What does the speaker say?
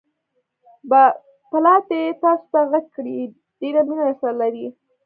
پلا دې تاسوته غږ کوي، ډېره مینه درسره لري!